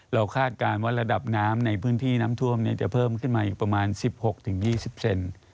เราคาดการณ์ว่าระดับน้ำในพื้นที่น้ำท่วมเนี่ยจะเพิ่มขึ้นมาอีกประมาณสิบหกถึงยี่สิบเซน